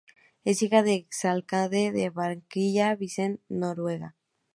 Es hija del exalcalde de Barranquilla Vicente Noguera.